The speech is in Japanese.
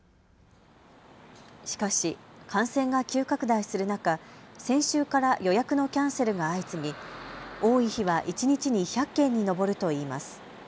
しかし感染が急拡大する中、先週から予約のキャンセルが相次ぎ多い日は一日に１００件に上るといいます。